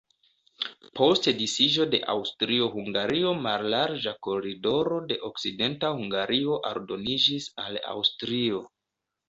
Post disiĝo de Aŭstrio-Hungario mallarĝa koridoro de Okcidenta Hungario aldoniĝis al Aŭstrio.